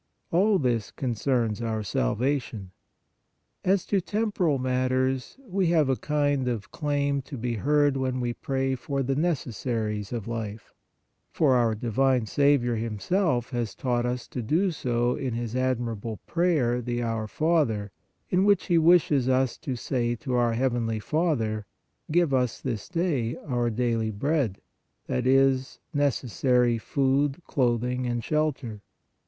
All this concerns our salvation. As to temporal matters, we have a kind of claim to be heard when we pray for the necessaries of life, for our divine Saviour Himself has taught us to do so in His admirable prayer, the Our Father, in which He wishes us to say to our heavenly Father :" Give us this day our daily bread," that is, neces sary food, clothing and shelter.